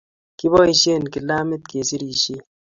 kiboisien kilamit ke serisien